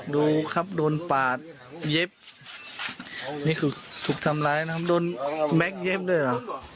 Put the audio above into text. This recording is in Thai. ดูครับโดนปาดเย็บนี่คือถูกทำร้ายนะครับโดนแม็กซเย็บด้วยเหรอ